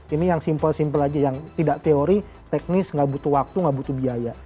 ini yang simple simple aja yang tidak teori teknis gak butuh waktu gak butuh biaya